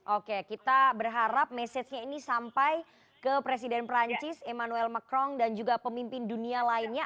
oke kita berharap message nya ini sampai ke presiden perancis emmanuel macron dan juga pemimpin dunia lainnya